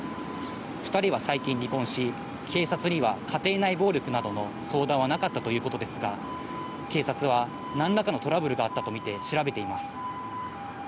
２人は最近離婚し、警察には家庭内暴力などの相談はなかったということですが、警察は何らかのトラブルがあったとみて調べています。